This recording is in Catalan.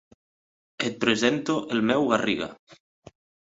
Et presento el meu Garriga.